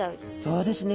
そうですね。